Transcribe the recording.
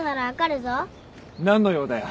何の用だよ。